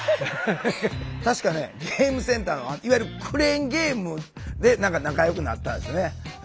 たしかねゲームセンターのいわゆるクレーンゲームで何か仲よくなったんですよね。